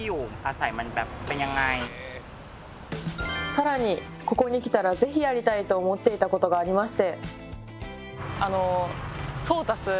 更に、ここに来たらぜひやりたいと思っていたことがありまして。